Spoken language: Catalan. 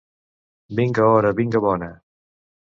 Vinga hora, vinga bona!